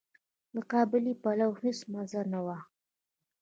د قابلي پلو هيڅ مزه نه وه.